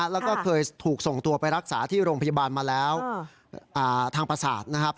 แล้วก็เคยถูกส่งตัวไปรักษาที่โรงพยาบาลมาแล้วทางประสาทนะครับ